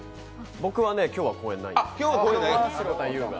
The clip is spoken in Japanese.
僕は今日は公演がないんです城田優が。